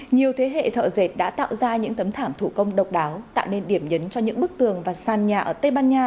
nhiều thế hệ thợ dệt đã tạo ra những tấm thảm thủ công độc đáo tạo nên điểm nhấn cho những bức tường và sàn nhà ở tây ban nha